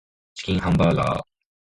チキンハンバーガー